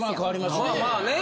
まあまあね。